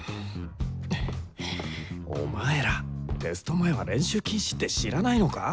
お前らテスト前は練習禁止って知らないのか？